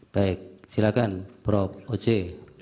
baik silakan prof oce